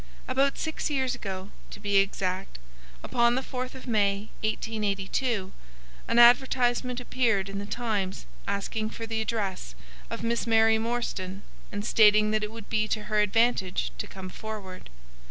About six years ago—to be exact, upon the 4th of May, 1882—an advertisement appeared in the Times asking for the address of Miss Mary Morstan and stating that it would be to her advantage to come forward.